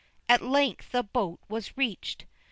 At length the boat was reached.